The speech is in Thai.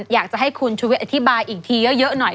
อยากจะให้คุณชุวิตอธิบายอีกทีเยอะหน่อย